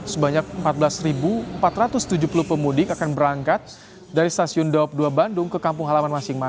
sebanyak empat belas empat ratus tujuh puluh pemudik akan berangkat dari stasiun daup dua bandung ke kampung halaman